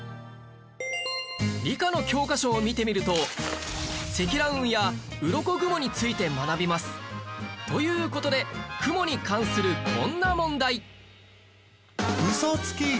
理科の教科書を見てみると積乱雲やうろこ雲について学びます。という事で雲に関するこんな問題